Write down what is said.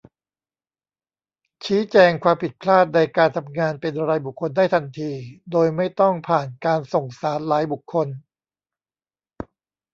ชี้แจงความผิดพลาดในการทำงานเป็นรายบุคคลได้ทันที โดยไม่ต้องผ่านการส่งสารหลายบุคคล